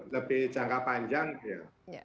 lebih jangka panjang ya